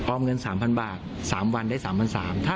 เงิน๓๐๐บาท๓วันได้๓๓๐๐บาท